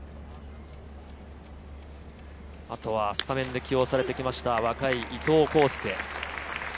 あとはスタメンで起用されてきた若い伊藤康祐。